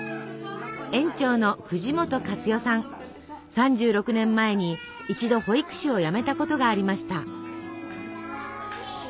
３６年前に一度保育士を辞めたことがありました。